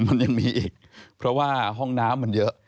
มันยังมีอีกเพราะว่าห้องน้ำมันเยอะ